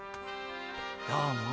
どうも。